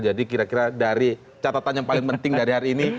jadi kira kira dari catatan yang paling penting dari hari ini